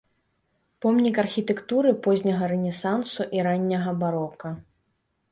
Помнік архітэктуры позняга рэнесансу і ранняга барока.